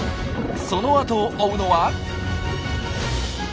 そのあとを追うのは。